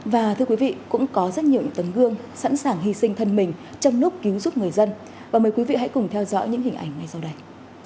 và thưa quý vị cũng có rất nhiều tấm gương sẵn sàng hy sinh thân mình trong lúc cứu giúp người dân và mời quý vị hãy cùng theo dõi những hình ảnh ngay sau đây